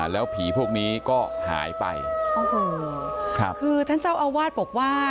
แล้วผีพวกนี้ก็หายไปโอ้โหครับคือท่านเจ้าอาวาสบอกว่า